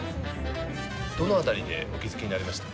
どのあたりでお気付きになりましたか。